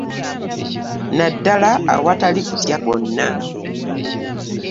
Naddala awatali kutya kwonna